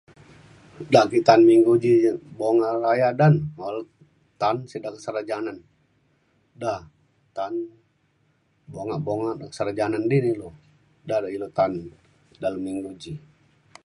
ja ake ta’an minggu ji bunga raya da na. [unintelligible] sek da [unintelligible] ja nan da ta’an bunga bunga [unintelligible] di di lu. da ne ilu ta’an dalem minggu ji